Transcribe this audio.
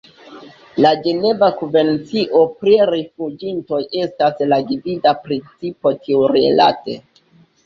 La Ĝeneva konvencio pri rifuĝintoj estas la gvida principo tiurilate.